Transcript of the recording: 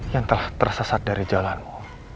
yang telah tersesat dari jalan